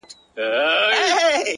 دا به چيري خيرن سي _